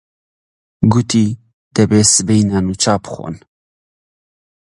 گوتی: دەبێ سبەی نان و چا بخۆن.